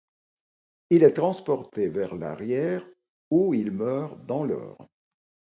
Il est transporté vers l'arrière, où il meurt dans l'heure.